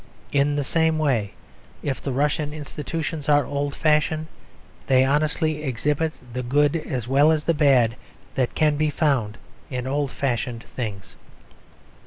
In the same way, if the Russian institutions are old fashioned, they honestly exhibit the good as well as the bad that can be found in old fashioned things.